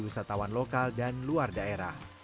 wisatawan lokal dan luar daerah